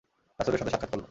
রাসূলের সাথে সাক্ষাৎ করল।